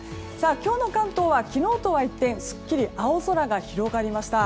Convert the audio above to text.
今日の関東は昨日とは一転すっきり青空が広がりました。